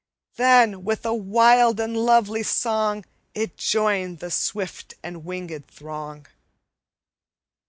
Then, with a wild and lovely song, It joined the swift and winged throng.